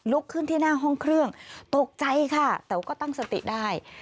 ขึ้นที่หน้าห้องเครื่องตกใจค่ะแต่ว่าก็ตั้งสติได้